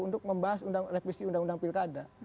untuk membahas revisi undang undang pilkada